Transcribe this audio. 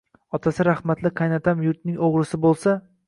Otasi rahmatli qaynatam yurtning o‘g‘risi bo‘lsa